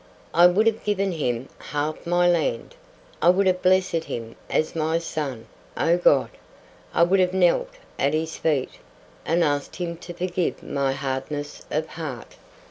"I would have given him half my land—I would have blessed him as my son,—oh God! I would have knelt at his feet, and asked him to forgive my hardness of heart."